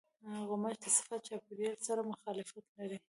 غوماشې د صفا چاپېریال سره مخالفت لري.